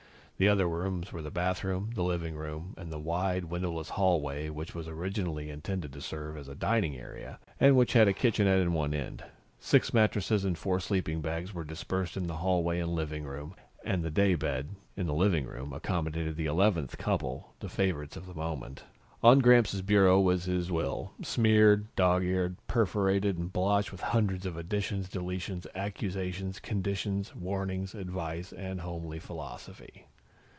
The other rooms were the bathroom, the living room and the wide windowless hallway, which was originally intended to serve as a dining area, and which had a kitchenette in one end. Six mattresses and four sleeping bags were dispersed in the hallway and living room, and the daybed, in the living room, accommodated the eleventh couple, the favorites of the moment. On Gramps' bureau was his will, smeared, dog eared, perforated and blotched with hundreds of additions, deletions, accusations, conditions, warnings, advice and homely philosophy.